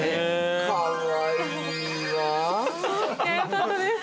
◆よかったです。